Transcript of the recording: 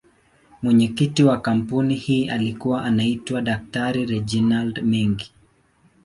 Mwenyekiti wa kampuni hii alikuwa anaitwa Dr.Reginald Mengi.